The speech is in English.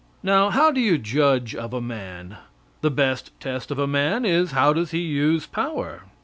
Now, how do you judge of a man? The best test of a man is, how does he use power?